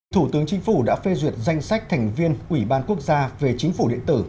thủ tướng chính phủ đã phê duyệt danh sách thành viên ủy ban quốc gia về chính phủ điện tử